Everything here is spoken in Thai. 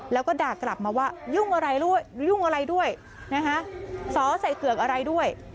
แล้วก็ด่ากลับมาว่ายุ่งอะไรด้วยซ้อใส่เกือกอะไรด้วย